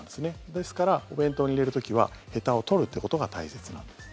ですから、お弁当に入れる時はへたを取るということが大切なんです。